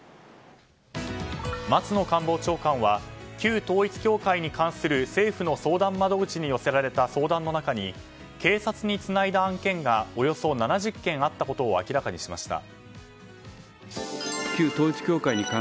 松野官房長官は旧統一教会に関する政府の相談窓口に寄せられた相談の中に警察につないだ案件がおよそ７０件あったことを明らかにしました。